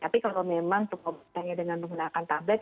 tapi kalau memang hanya dengan menggunakan tablet